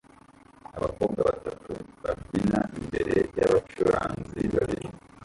Abakobwa batatu babyina imbere y'abacuranzi babiri